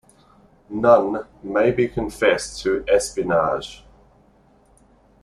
Nunn May confessed to espionage.